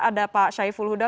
ada pak syai fulhuda